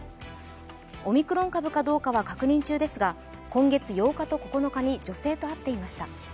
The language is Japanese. オミクロン株かどうかは確認中ですが、今月８日と９日に女性と会っていました。